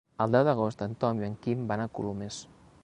El deu d'agost en Tom i en Quim van a Colomers.